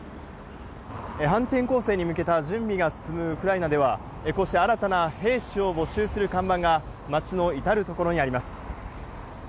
反転攻勢に向けた準備が進むウクライナでは、こうして新たな兵士を募集する看板が、街の至る所にあります。